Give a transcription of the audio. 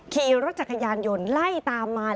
ขี่รถจักรยานยนต์ไล่ตามมา